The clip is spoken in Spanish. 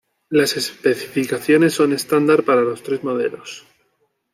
Las especificaciones son estándar para los tres modelos.